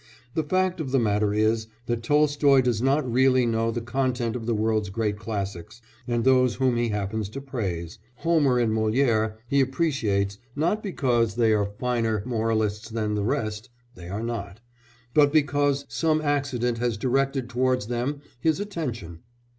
The fact of the matter is that Tolstoy does not really know the content of the world's great classics, and those whom he happens to praise Homer and Molière he appreciates, not because they are finer moralists than the rest (they are not), but because some accident has directed towards them his attention.